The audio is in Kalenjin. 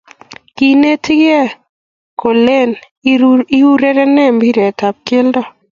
kinetigei kolene iureren mpiretab keldo